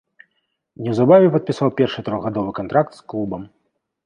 Неўзабаве падпісаў першы трохгадовы кантракт з клубам.